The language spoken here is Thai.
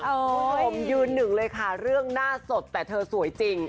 คุณผู้ชมยืนหนึ่งเลยค่ะเรื่องหน้าสดแต่เธอสวยจริง